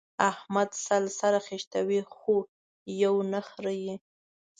احمد سل سره خيشتوي؛ خو يو نه خرېي.